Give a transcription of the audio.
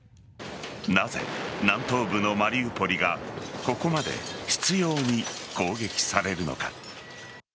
なぜ南東部のマリウポリがここまで執拗に攻撃されるのか。